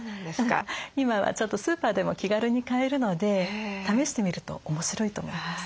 今はちょっとスーパーでも気軽に買えるので試してみると面白いと思います。